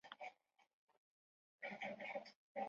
他也参加过左翼运动和市民运动。